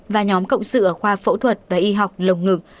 và nhóm cộng sự ở khoa phẫu thuật và y học lồng ngực